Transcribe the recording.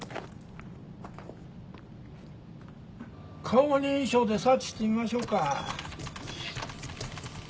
顔認証でサーチしてみましょうか。